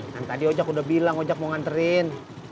kan tadi ojak udah bilang ojak mau nganterin